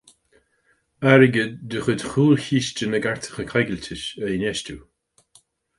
Airgead de chuid Chúlchiste na gCairteacha Coigiltis a infheistiú.